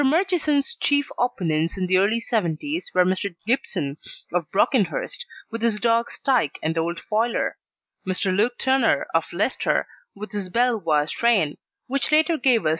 Murchison's chief opponents in the early 'seventies were Mr. Gibson, of Brockenhurst, with his dogs Tyke and Old Foiler; Mr. Luke Turner, of Leicester, with his Belvoir strain, which later gave us Ch.